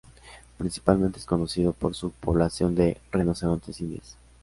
Principalmente es conocido por su población de rinocerontes indios.